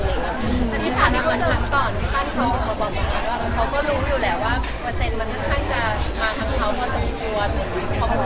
ตอนที่พูดถึงตอนพี่ฟันเขาบอกมาว่า